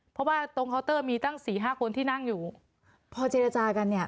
เพราะว่าตรงเคาน์เตอร์มีตั้งสี่ห้าคนที่นั่งอยู่พอเจรจากันเนี่ย